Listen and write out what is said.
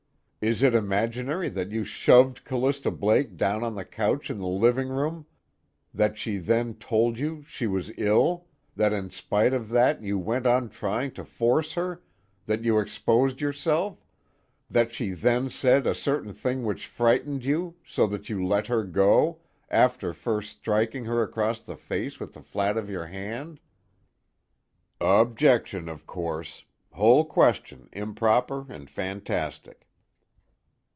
is it imaginary that you shoved Callista Blake down on the couch in the living room, that she then told you she was ill, that in spite of that you went on trying to force her, that you exposed yourself, that she then said a certain thing which frightened you, so that you let her go, after first striking her across the face with the flat of your hand?" "Objection of course. Whole question improper and fantastic."